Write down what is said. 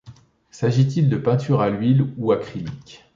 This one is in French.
S’agit-il de peinture à huile ou acrylique?